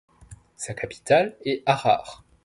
Sa capitale est Arar.